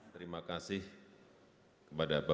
terima kasih kepada bapak